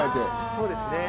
そうですね。